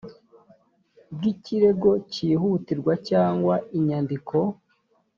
bw ikirego cyihutirwa cyangwa inyandiko